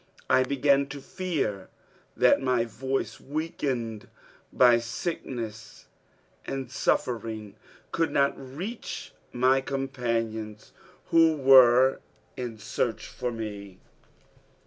I began to fear that my voice, weakened by sickness and suffering, could not reach my companions who were in search of me.